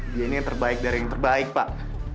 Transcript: dia ini yang terbaik dari yang terbaik pak